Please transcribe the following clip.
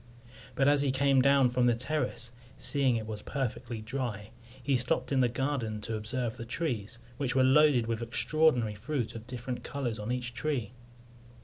But as he came down from the terrace, seeing it was perfectly dry, he stopped in the garden to observe the trees, which were loaded with extraordinary fruit of different colours on each tree.